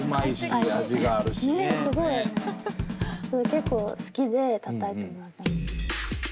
結構好きでたたいてもらった。